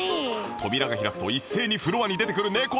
扉が開くと一斉にフロアに出てくる猫たち